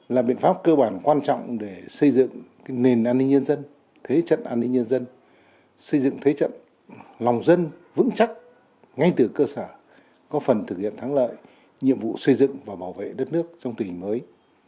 là biện pháp cơ bản quan trọng để xây dựng nền an ninh nhân dân thế trận an ninh nhân dân xây dựng thế trận lòng dân vững chắc ngay từ cơ sở có phần thực hiện thắng lợi nhiệm vụ xây dựng và bảo vệ đất nước trong tình hình mới